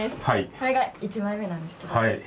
これが１枚目なんですけど。